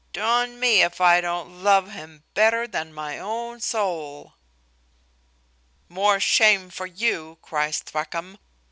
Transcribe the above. D n me if I don't love him better than my own soul." "More shame for you," cries Thwackum.